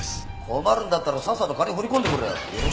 困るんだったらさっさと金振り込んでくれよ。